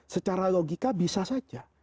secara logika bisa saja